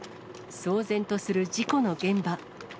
騒然とする事故の現場。